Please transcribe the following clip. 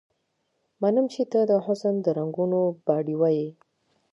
منم چې ته د حسن د رنګونو باډيوه يې